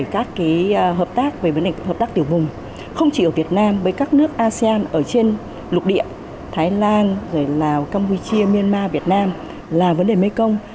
các nước mekong lào campuchia myanmar việt nam là vấn đề mekong